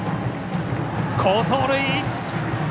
好走塁！